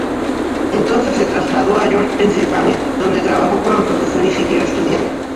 Entonces se trasladó a York, Pensilvania, donde trabajó como profesor y siguió estudiando.